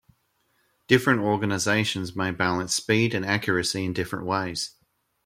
Different organizations may balance speed and accuracy in different ways.